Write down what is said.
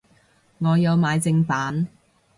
我有買正版